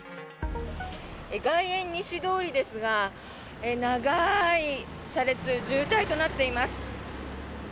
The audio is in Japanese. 外苑西通りですが長い車列渋滞となっています。